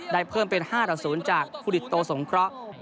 ได้เพิ่มเป็น๕ต่อ๐จากครูดิตโตสงเคราะห์